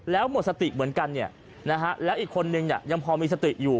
แล้วหมดสติเหมือนกันแล้วอีกคนนึงยังพอมีสติอยู่